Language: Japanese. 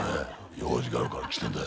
用事があるから来てんだよ。